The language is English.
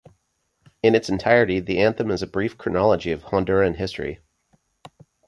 In its entirety, the anthem is a brief chronology of Honduran history.